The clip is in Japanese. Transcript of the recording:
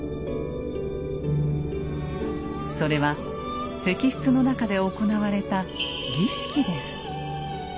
それは石室の中で行われた儀式です。